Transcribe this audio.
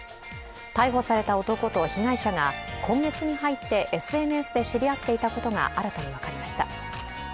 逮捕された男と被害者が今月に入ってＳＮＳで知り合っていたことが新たに分かりました。